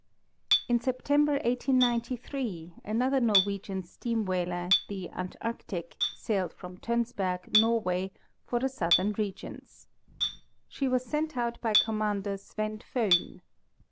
* In September, 1893, another Norwegian steam whaler, the Ant arctic, sailed from Tonsberg, Norway, for the southern regions, She was sent out by Commander Svend Foéyn.